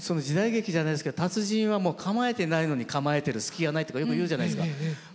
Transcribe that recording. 時代劇じゃないですけど達人は構えてないのに構えてる隙がないとかよく言うじゃないですか。